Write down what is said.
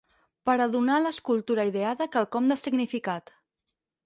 Per a donar a l'escultura ideada quelcom de significat